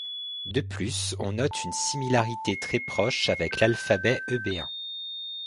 De plus on note une similarité très proche avec l'alphabet eubéen.